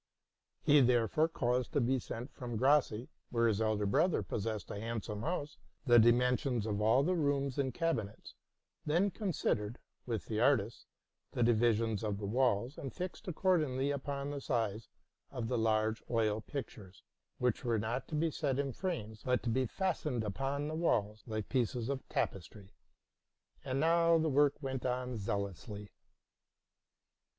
He therefore caused to be sent from Grasse, where his elder brother possessed a handsome house, the dimensions of all the rooms and cabinets ; then considered, with the artists, the divisions of the walls, and fixed accordingly upon the size of the large oil pictures, which were not to be set in frames, but to be fastened upon the walls like pieces of tapestry. And now the work went on zealously.